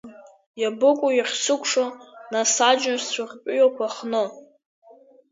Иабыкәу иахьсыкәшо, нас, аџьнышцәа ртәыҩақәа хны?